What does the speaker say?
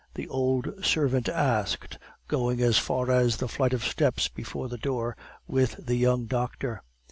the old servant asked, going as far as the flight of steps before the door, with the young doctor.